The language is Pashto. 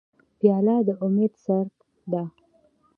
پیاله د امید څرک ده.